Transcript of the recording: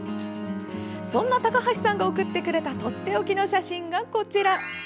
そんな高橋さんが送ってくれたとっておきの写真が、こちら。